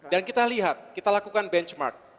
dan kita lihat kita lakukan benchmark